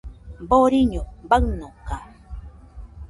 Boriño baɨnoka